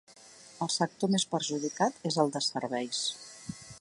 El sector més perjudicat és el de serveis.